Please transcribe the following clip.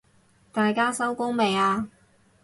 大家收工未啊？